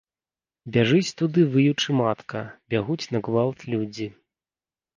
Бяжыць туды, выючы, матка, бягуць на гвалт людзі.